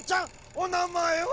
おなまえは？